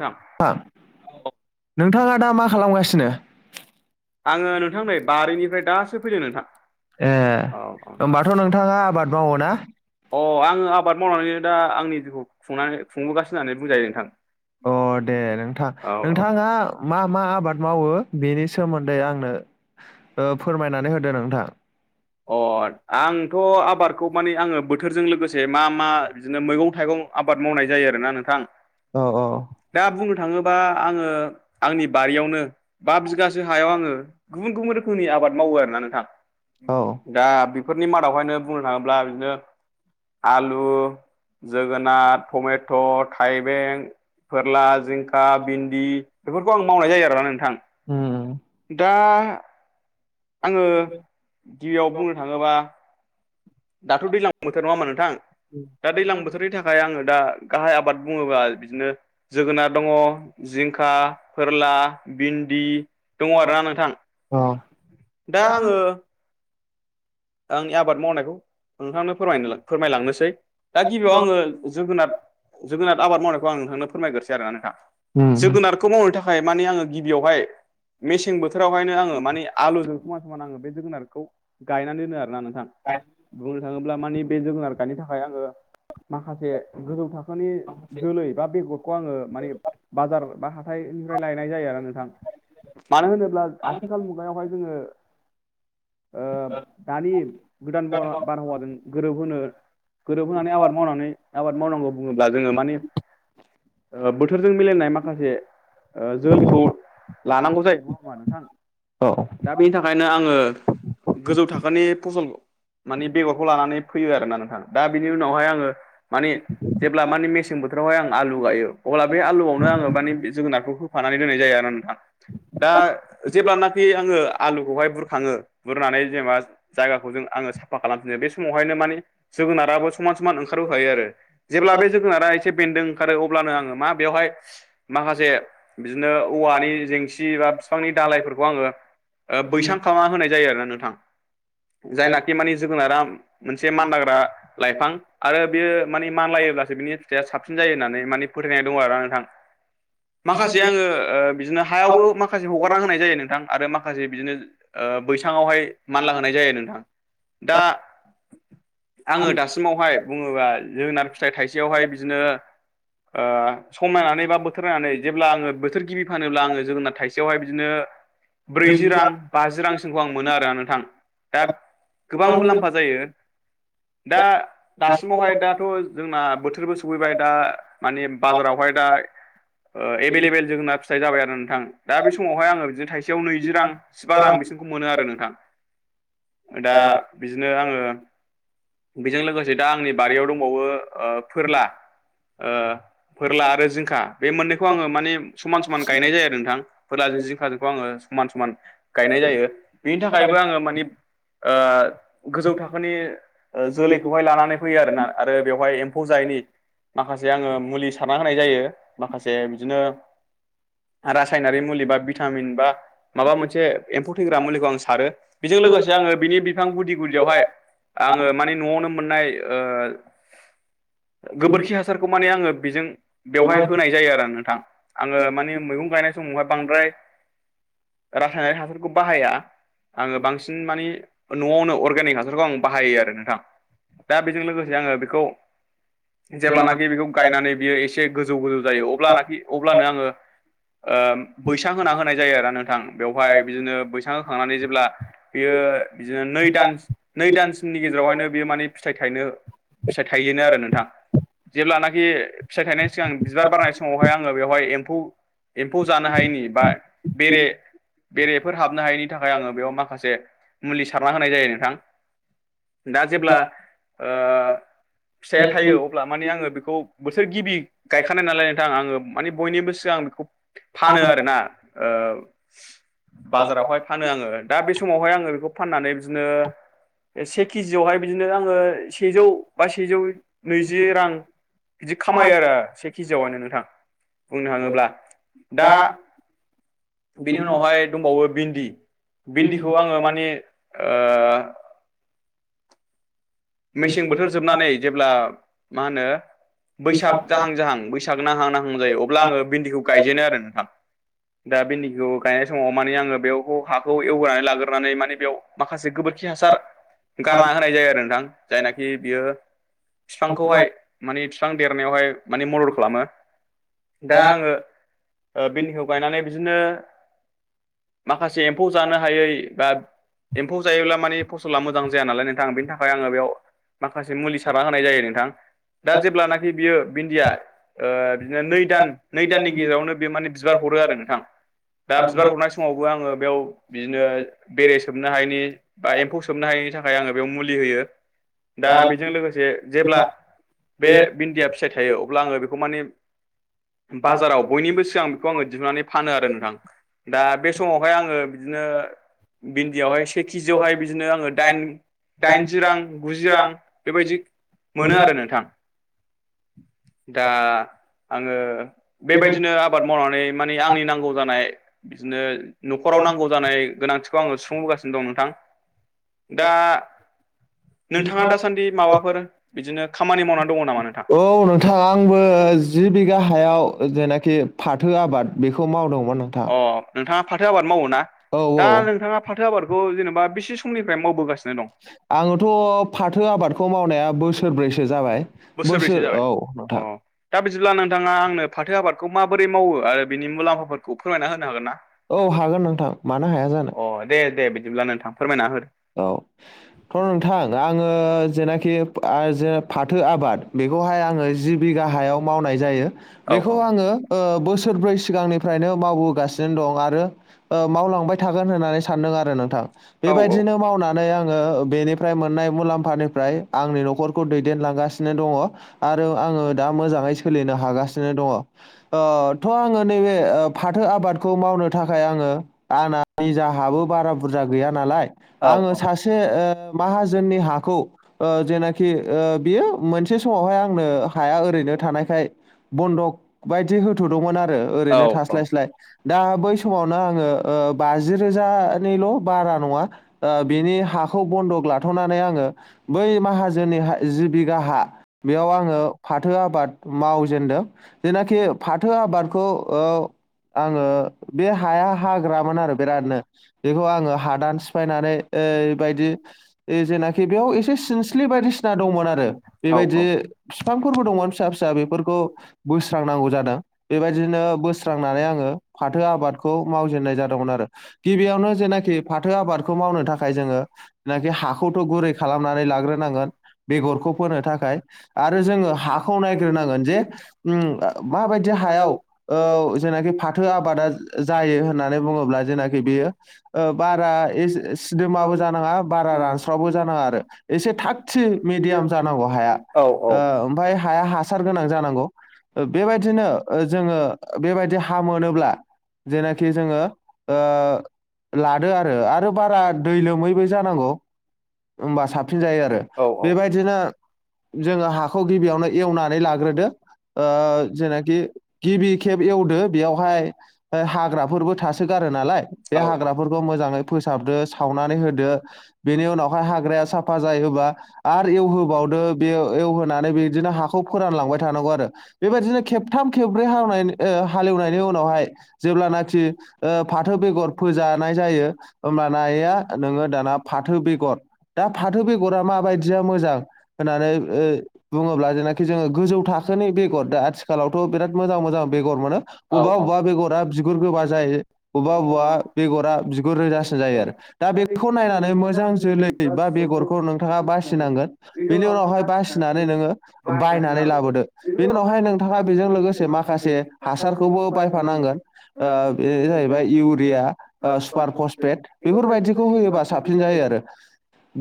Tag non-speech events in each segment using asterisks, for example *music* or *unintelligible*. नोंथां मा नोंथाङा दा मा खालामगासिनो? आङो नोंथांलै बारिनिफ्राय दासो फैदों नोंथां। ए औ औ *unintelligible* होमबाथ' नोंथाङा आबाद मावो ना अ आङो आबाद मावनानै दा आंनि जिखौ खुंनानै खुंबोगासिनो होननानै बुंजायो नोंथां। अ दे नोंथां अ नोंथाङा मा मा आबाद मावो? बेनि सोमोन्दै आंनो ओ फोरमायनानै होदो नोंथां। अ आंथ' आबाद खौ माने आङो बोथोरजों लोगोसे मा मा बिदिनो मैगं थाइगं आबाद मावनाय जायो आरोना नोंथां। औ औ। दा बुंनो थाङोबा आङो आंनि बारियावनो बा बिगोसो हायाव आङो गुबुन गुबुन रोखोमनि आबाद मावो आरोना नोंथां। औ दा बेफोरनि मादावहायनो बुंनो थाङोब्ला बिदिनो आलु, जोगोनार, टमेट', थाइबें फोरला जिंखा भिन्दि बेफोर खौ आं मावनाय जायो आरोना नोंथां उम दा आंङो? गिबियाव बुंनो थांङोबा दाथ' दैज्लां बोथोर नंङामा होमबा नोंथां दा दैज्लां बोथोरनि थाखाय आंङो दा गाहाय आबाद बुंङोबा बिदिनो जोगोनार दंङ जिंखा, फोरला, भिन्दि। दंङ आरोना नोंथां। अ दा आंङो आंनि आबाद मावनायखौ नोंथांनो फोर फोरमायलांनोसै दा गिबियाव आंङो जोगोनार जोगोनार आबाद मावनायखौ आं नोंथांनो फोरमायग्रोसै आरोना नोंथां उम जोगोनारखौ मावनो थाखाय माने आंङो गिबियावहाय मेसें बोथोरावहायनो आंङो माने आलुजों समान समान आंङो बे जोगोनारखौ गायनानै दोनो आरोना नों थां बुंनो थांङोब्ला मानि बे जोगोनार गायनो थाखाय आंङो माखासे गोजौ थाखो बिनि जोलै बा बेगरखौ आंङो मानि बाजार बा हाथायनिफ्राय लायनाय जायो आरो नोंथां मानो होनोब्ला आथिखाल मुगायावहाय जोंङो ओ दानि गोदान बारहावाजों गोरोबहोनो गोरोब होनानै आबाद मावनानै आबाद मावनांगौ। बुंंङोब्ला जोंङो मानि ओ बो बोथोरजों मिलायनाय माखासे ओ जोलैखौ लानांगौ जायो नंङा होमबा नोंथां औ दा बेनि थाखायनो आंङो गोजौ थाखो फसल माने बेगरखौ लानानै फैयो आरोना नोंथां दा बिनि उनावहाय आंङो माने जेब्ला माने मेसें बोथोरावहाय आं आलु गायो अब्ला बे आलुआवनो आंङो माने जोगोनारखौ होफानानै दोननाय जाया आरो नोंथां। दा जेब्लानाखि आंङो आलुखौहाय बुरखांङो बुरनानै जेनेबा जायगाखौ जोंङो साफा खालामफिनो बे समावहायनो माने जोगोनाराबो समान समान ओंखारबोखायो आरो जेब्ला बे जोगोनारा एसे बेन्दों ओंखारो अब्लानो आंङो मा बेवहाय माखासे बिदिनो औवानि जेंसि बा बिफांनि दालाइफोरखौ आंङो ओ ओ बैसां खालामना होनाय जायो आरोना नोंथां जायनाखि माने जोगोनारा मोनसे मानलाग्रा लाइफां आरो बियो माने मानलायो अब्लासो बिनि फिथाइया साबसिन जायो होन्नानै माने फोथायनाय दंङ आरो ना नोंथां उम माखासे आंङो ओ बिदिनो हायावबो माखासे हगारना होनाय जायो नोंथां आरो माखासे बिदिनो ओ बैसांङावहाय मानला होनाय जायो नोंथां दा आंङो दासिमावहाय बुंङोबा जोगोनार फिथाइ थाइसेयावहाय बिदिनो ओ सम नायनानै बा बोथोर नायनानै जेब्ला आंङो बोथोर गिबि फानोब्ला आंङो जोगोनार थाइसेयावहाय बिदिनो ब्रैजि रां बाजि रांसिमखौ आं मोनो आरो नोंथां दा। गोबां मुलाम्फा जायो। दा दासिमावहाय दाथ' जोंना बोथोरबो सफैबाय दा माने बाजारावहाय *unintelligible* एबेलेबेल जोगोनार फिथाइ जाबाय आरो नोंथां दा बे समावहाय आंङो बिदिनो थाइसेयाव नैजि रां जिबा रां बि खौ मोनो आरो नोंथां *inaudible* दा बिदिनो आंङो बेजों लोगोसे दा आंनि बारियाव दंबावो ओ फोरला ओ फोरला आरो जिंखा बे मोननैखौ आंङो माने समान समान गायनाय जायो आरो नोंथां फोरलाजों जिंखा जोंखौ आंङो समान समान गायनाय जायो बिनि थाखायबो आंङो मानि ओ गोजौ थाखोनि ओ जोलैखौहाय लानानै फैयो आरोना आरो बेवहाय एम्फौ जायैनि *inaudible* माखासे आंङो मुलि सारना होनाय जायो माखासे बिदिनो रासायनारि मुलि बा बि भिन बा माबा मोनसे एम्फौ थैग्रा मखौं सारो बेजों लोगोसे आङो बिनि बिफां गुदि गुदियावहाय आङो मानिे न'आवनो मोननाय गोबोरखि हासारखौ माने आङो बेजों बेवहाय होनाय जायो आरो नोंथां। आङो माने मैगं गायनाय बे समावहाय बांद्राय ओ रासायनारिक हासारखौ बाहाया आङो बांसिन मानेनि न'आवनो अर्गेनिक हासारखौ आं बाहायो आरो नोंथां दा बेजों लोगोसे आङो बेखौ जेब्लानाखि बेखौ गायनानै बियो एसे गोजौ गोजौ जायो। अब्लानाखि अब्लानो आङो ओ बैसां होना होनाय जायो आरोा नोंथां। बेवहाय बिदिनो बैसां होखांनानै जेब्ला बियो बिदिनो नै दान नै दानसनि गेजेरावहायनो बियो माने फिथाइ थायनो फिसाय थाइजोनो आरो नोंथां। जेब्लानाखि फिथाइ थायनायनि सिगां बिबार बारनाय समावहाय आङो बेवहाय एम्फौ एम्फौ जानो हायैनि बा बेरे बेरेफोर हाबनो हायैनि थाखाय आङो बेयाव माखासे मुलि सारना होनाय जायो नोंथां। दा जेब्ला फिथाया थायो अब्ला माने आङो बेखौ बोसोर गिबि गायखानाय नालाय नोंथां आङो माने बयनिबो सिगां बेखौ फानो आरोना बाजारावहाय फानो आङो दा बे समावहाय आङो बेखौ फाननानै बिदिनो से केजियावहाय बिदिनो आङो सेजौ बा सेजौ नैजि रां बिदि खामायो आरो से केिजिआववहनो नोंथां बुंनो थाङोब्ला। दा बेनि उनावहाय दंबावो भिन्दि भिन्दिखौ आङो माने ओ मेसें बोथोर जोबनानै जेब्ला मा होनो बैसाग जाहां जाहां बैसाग नांहां नाहां जायो अब्ला आङो भिन्दिखौ गायजेनो आरो नोंथां दा भिन्दिखौ गायनाय समाव माने आङो बेयावखौ हाखौ एवग्रानै लाग्रानै माने बेयाव माखासे गोबोर ख खि हासार गारना होनाय जायो आरो नोंथां जायनाखि बियो बिफांखौहाय माने बिफां देरनायावहाय माने मदद खालामो दा आङो बिनिखौ ओ गायनानै बिदिनो माखासे एम्फौ जानो हायै बा एम्फौ जायोब्ला मानानि फसला मोजां जाया नालाय नोंथां बेनि थाखाय आङो बेयाव माखासे मुलि सारना होनाय जायो नोंथां। दा जेब्लानाखि बियो बिन्दिया बिदिनो नै दान नै दाननि गेजेरावनो बे माने बिबार हरो आरो नोंथां दा बिबार हरनाय समाव आङो बेयाव बिदिनो बेरे सोबनो हायैनि बा एम्फौ सोबनो हायिनि थाखाय आङो बेयाव मुलि होयो। दा बेजों लोगोसे जेब्ला बे बिन्दिया फिसाइ थायो अब्ला आङो बेखौ माने बाजाराव बयनिबो सिगां बेखौ आङो दिहुननानै फानो आरो नोंथां दा बे समावहाय आङो बिदिनो भिन्दियावहाय से केिजियावहाय बिदिनो आङो दाइन दाइनजि रां। बुजियो आं बेबायदि मोनो आरो नोंथां। दा। आङो बेबायदिनो आबाद मावनानै माने आंनि नांगौ जानाय बिदिनो न'खराव नांगौ जानाय गोनांथिखौ आङो सुफुंबोगासिनो दं नोंथां दा नोंथाङा दासान्दि माबाफोर बिदिनो खामानि मावनानै दङ नामा नोंथां औ नोंथां आंबो जि। बिघा हायाव जेनेखि फाथो आबाद बेखौ मावदों अ नोंथाङा फाथो आबाद मावो ना औ दा औ नोंथाङा फाथो आबादखौ जेनेबा बेसे फुंनिफ्राय मावबोगासिनो दं आङोथ' फाथो आबादखौ मावनाया बोसोरब्रैसो। सो जाबाय बोसोरब्रैसो बोसोर जाबाय? औ अ नोंथां। दा बिदिब्ला नोंथांङा आंनो फाथो आबादखौ माबोरै मावो आरो बिनि मुलाम्फाफोरखौ फोरमायना होनो हागोन ना? औ हागोन नोंथां मानो हाया जानो। अ दे दे बिदिब्ला नोंथाङा फोरमायना हो। औ थ' नोंथां आङो जेनाखि। आजो फाथो आबाद बेखौहाय आङो जि बिगा हायाव मावनाय जायो। औ बेखौ आंङो ओ। बोसोरब्रै सिगांनिफ्रायनो मावबोगासिनो दं आरो ओ मावलांबाय थागोन होननानै सानदों आरो नोंथां। औ बेबायदिनो मावनानै आङो। बेनिफ्राय मोननाय मुलाम्फानिफ्राय आंनि न'खरखौ दैदेनलांगासिनो दङ' आरो आङो दा‌। मोजाङै सोलिनो हागासिनो दङ ओ थ' आङो नैबे ओ फाथो आबाद। खौ मावनो थाखाय आङो आंना निजा हाबो बारा बुरजा गैया नालाय। औ आङो सासे ओ। माहाजोननि हाखौ ओ जेनाखि‌ ओ बियो मोनसे समावहाय आंनो हाया ओरै। ओरैनो थानायखाय बन्दक बायदि होथ'दोंमोन आरो औ ओरैनो थास्लायस्लाय। दा बै समावनो आङो ओ बाजि रोजानिल' बारा नङा। ओ बिनि हाखौ बन्द'क लाथ'नानै आङो बै माहाजोननि जि बिगा हा। बेयाव आङो फाथो आबाद। मावजेनदों जेनाखि फाथो आबादखौ ओ आङो। बे हाया हाग्रामोन आरो बिरादनो बेखौ आङो हादान सि। फायनानै ओ बायदि जेनाखि बेयाव एसे सिनस्लि बायदिसिना दंमोन आरो बे‌। औ बेबायदि फिफांफोरबो दङमोन फिसा-फिसा बेफोरखौ बोस्रांनांगौ जादों बेबायदिनो बोस‌‌। फोस्रांनानै आङो फाथो आबादखौ मावजेननाय जादोंमोन आरो गिबियावनो जेनाखि फाथो आबाद। मावनो थाखाय जोङो जेनाखि हाखौथ' गुरै खालामनानै लाग्रोनांगोन बेगरखौ फोनो थाखाय। आरो जोङो हाखौ नायग्रोनांगोन जे ओम माबायदि हायाव ओ। जेनाखि फाथो आबादा जायो होननानै बुङोब्ला जेनाखि बेयो ओ बारा एस। सिदोमाबो जानांङा बारा रानस्रावबो जानांङा आरो एसे थागथि मेडियाम जानांगौ हाया। औ ओ ओमफ्राय हाया हासार गोनां जानांगौ। बेबायदिनो जोङो बेबायदि हा मोनो। जेनाखि जोङो ओ लादो आरो-आरो। बारा दै लोमैबो जानांगौ होमबा साबसिन जायो आरो औ बेबायदिनो‌। जोङो हाखौ गिबियावनो एवनानै लाग्रोदो। ओ जेनाखि गिबि खेब एवदो बेयावहाय। हाग्राफोरबो थासोगारो नालाय बे औ हाग्राफोरखौ मोजाङै फोसाबदो सावनानै होदो। बेनि उनावहाय। हाग्राया साफा जायोबा आरो एवहोबावदो बे एवहोनानै बिदिनो हाखौ फोरानलांबाय था। थानांगौ आरो बेबायदिनो खेबथाम खेबब्रै हालेवनाय ओ हालेवनायनि उनावहाय। जेब्लानाखि ओ फाथो बेगर फोजानाय जायो होमबाना इया नोङो दाना फा। फाथो बेगर। दा फाथो बेगरा माबायदिया मोजां होननानै ओ बुङोब्ला जेनाखि जोङो गोजौ थाखो। थोनि बेगर दा आथिखालावथ' बेराद मोजां-मोजां बेगर मोनो औ बबाबा औ बबाबा बे। दा बिगुर गोबा जायो बबेबा-बबेबा बेगरा बिगुर रोजासिन जायो आरो दा बेखौ नायनानै। मोजां जोलै। दै बा बेगरखौ नोंथाङा बासिनांगोन बेनि उनावहाय बासिनानै नोङो बायनानै लाबोदो। बेनि उनावहाय नोंथाङा बेजों लोगोसे माखासे हासारखौबो बायफानांगोन। ओ बेनो जाहैबाय इउरिया, सुपार फसफेट बेफोरबायदिखौ होयोबा साबसिन। सिन जायों आरो ‌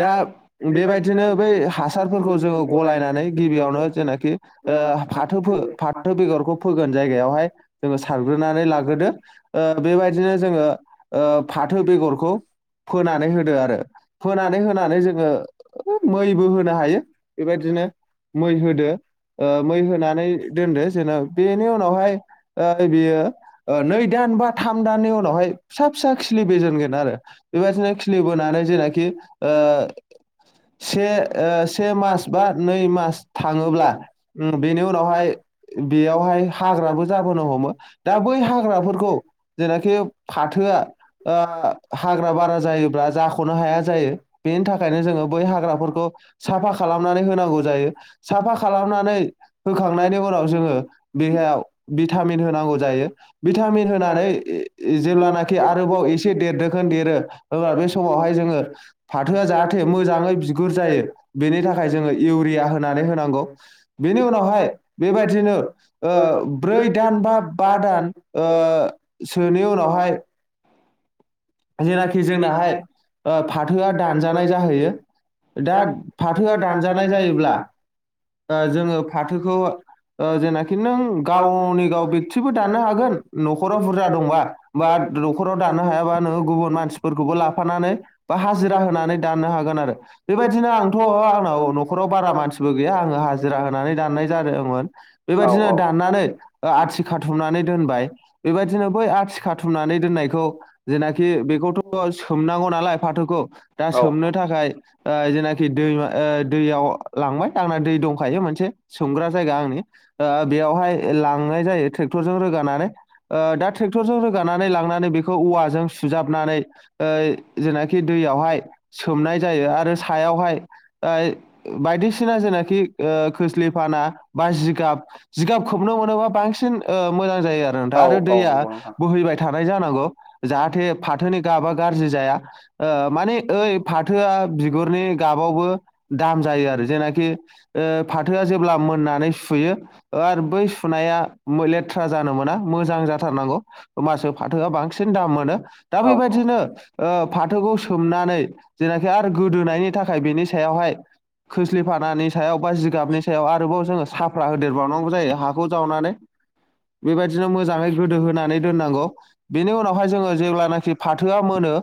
दा बेबायदिनो बै हासारफोरखौ जोङो गलायनानै गिबियावनो जेनाखि। ओ फाथो फो-फाथो बेगरखौ फोगोन जायगायावहाय जोङो सार। सारग्रोनानै लाग्रोदो बेबायदिनो जोङो ओ फाथो बेगरखौ। फोनानै होदो आरो। फोनानै होनानै जोङो मैबो होनो हायो बेबायदिनो। मै होदो ओ मै होनानै दोनदो जेन' बेनि उनावहाय ओ बे ओ नै दान बा थाम दाननि उनावहाय फिसा फिसा खिलि बोजेनगोन आरो बेबायदिनो सोलिबोनानै जेनाखि ओ से ओ से मास बा नै मास थाङोब्ला ओं बेनि उनावहाय बेयावहाय हाग्राबो जाबोनो हमो। दा बै हाग्राफोरखौ जेनाखि फाथोआ ओ हाग्रा बारा जायो। बा जाख'नो हाया जायो। बेनि थाखायनो जोङो बै हाग्राफोरखौ साफा खालामनानै होनांगौ जायो साफा खालामनानै होखांनायनि उनाव जोंङो बेयाव भिटामिन होनांगौ जायो भिटामिन होनानै जेब्लानाखि आरोबाव एसे देरदोखोन देरो। अब्ला बे समावहाय जोङो फाथोआ जाहाथे मोजाङै बिगुर जायो बेनि थाखाय जोङो इउरिया होनानै होनांगौ बे उनावहाय बेबायदिनो ओ ब्रै दान बा बा दान ओ सोनि उनावहाय जेनाखि जोंनाहाय ओ फाथोआ दानजानाय जाहैयो दा फाथोआ दानजानाय जायोब्ला ओ जोङो फाथोखौ ओ जेनाखि नों गावनि गाव बेकटिबो दानो हागोन न'खराव बुरजा दंबा बा न'खराव दानो हायाबा नोङो गुबुन मानसिफोरखौबो लाफानानै बा हाजिरा होनानै दानो हागोन आरो बेबायदिनो आंथ' ओ न'खराव बारा मानसिबो गैया आङो हाजिरा होनानै दाननाय जादोंमोन बेबायदिनो दाननानै। आथि खाथुमनानै दोनबाय बेबायदिनो बै आथि खाथुमनानै दोननायखौ खि बेखौथ' सोमनांगौ नालाय फाथोखौ दा सोमनो थाखाय ओ जेनाखि दैमा ओ दैयाव लांबाय आंना दै दंखायो मोनसे सोमग्रा जायगा आंनि ओ बेयावहाय लांनाय जायो टेक्टरजों रोगानानै ओ दा टेक्टरजों रोगानानै लांनानै बिखौ औवाजों जाबनानै ओइ जेनाखि दैयावहाय सोमनाय जायो आरो सायावहाय ओइ बायदिसिना जेनाखि ओ खोस्लिफाना बा जिगाब जिगाब खोबनो मोनोबा बांसिन ओ मोजां जायो आरो दा आरो नंगौ दैआ नोंथां बोहैबाय थानाय जानांगौ। जाहाथे *unintelligible* फाथोनि गाबा गाज्रि जाया ओ माने ओइ फाथोआ बिगुरनि गाबावबो दाम जायो आरो जेनाखि ओ फाथोआ जेब्ला मोननानै सुयो आरो बै सुनाय नाया लेथ्रा जानो मोना मोजां जाथारनांगौ होमबासो फाथोआ बांसिन दाम मोनो। दा औ बेबायदिनो ओ फाथोखौ सोमनानै जेनाखि आरो गोदोनायनि थाखाय बेनि सायावहाय खोस्लिफानानि सायाव बा जिगाबनि सायाव आरोबाव जोङो साफ्रा होदेरबावनांगौ जायो हाखौ जावनानै। बेबायदिनो मोजाङै गोदो होनानै दोननांगौ। बेवहाय जोङो जेब्लानाखि फाथोआ मोनो